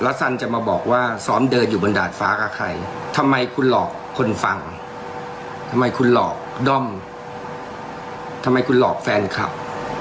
ซันจะมาบอกว่าซ้อมเดินอยู่บนดาดฟ้ากับใครทำไมคุณหลอกคนฟังทำไมคุณหลอกด้อมทำไมคุณหลอกแฟนคลับ